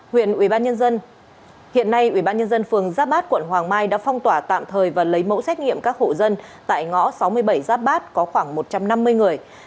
huyện ubnd hiện nay ubnd phường giáp bát quận hoàng mai đã phong tỏa tạm thời và lấy mẫu xét nghiệm các hộ dân tại ngõ sáu mươi bảy giáp bát có khoảng một trăm năm mươi người